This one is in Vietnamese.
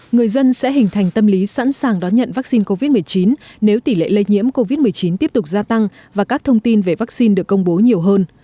người dân sẽ hình thành tâm lý sẵn sàng đón nhận vaccine covid một mươi chín nếu tỷ lệ lây nhiễm covid một mươi chín tiếp tục gia tăng và các thông tin về vaccine được công bố nhiều hơn